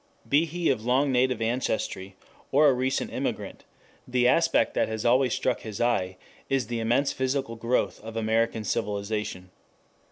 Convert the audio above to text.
Be he of long native ancestry, or a recent immigrant, the aspect that has always struck his eye is the immense physical growth of American civilization.